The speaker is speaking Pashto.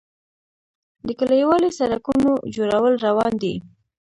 د کلیوالي سړکونو جوړول روان دي